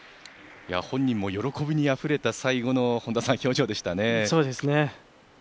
本人も喜びにあふれた最後の表情でしたね。